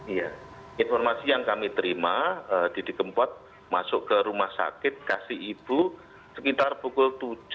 iya informasi yang kami terima didi kempot masuk ke rumah sakit kasih ibu sekitar pukul tujuh